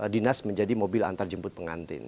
dinas menjadi mobil antarjemput pengantin